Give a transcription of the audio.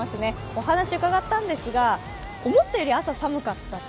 お話伺ったんですが思ったより、朝寒かったと。